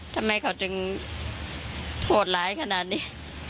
ทำไมเขาถึงโหดร้ายขนาดนี้